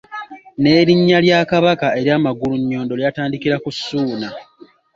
N'erinnya lya Kabaka erya Magulunnyondo lyatandikira ku Ssuuna.